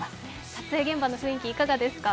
撮影現場の雰囲気いかがですか？